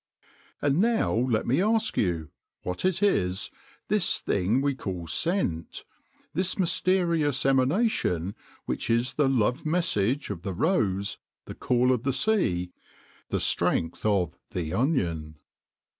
And now let me ask you—what it is, this thing we call Scent, this mysterious emanation which is the Love Message of the Rose, the Call of the Sea, the Strength of the Onion?